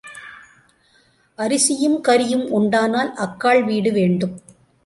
அரிசியும் கறியும் உண்டானால் அக்காள் வீடு வேண்டும்.